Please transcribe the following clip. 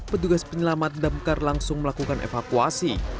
petugas penyelamat damkar langsung melakukan evakuasi